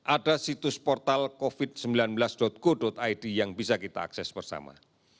ada situs portal covid sembilan belas go id yang bisa kita akses bersama